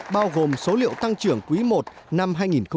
bao gồm số liệu tăng trưởng quý i năm hai nghìn một mươi tám